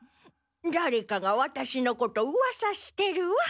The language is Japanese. だれかがワタシのことウワサしてるわ。